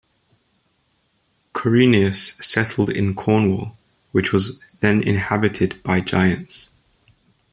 Corineus settled in Cornwall, which was then inhabited by giants.